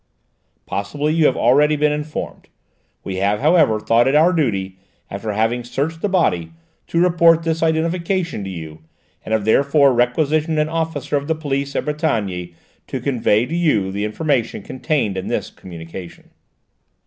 Possibly you have already been informed. We have, however, thought it our duty, after having searched the body, to report this identification to you, and have therefore requisitioned an officer of the police at Brétigny to convey to you the information contained in this communication."